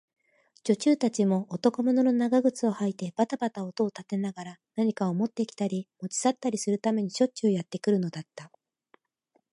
女中たちも、男物の長靴をはいてばたばた音を立てながら、何かをもってきたり、もち去ったりするためにしょっちゅうやってくるのだった。